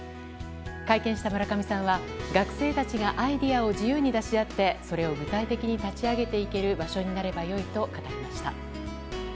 会見した村上さんは学生たちがアイデアを自由に出し合ってそれを具体的に立ち上げていける場所になればいいと語りました。